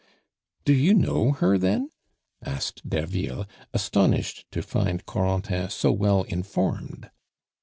"Do you know her then?" asked Derville, astonished to find Corentin so well informed.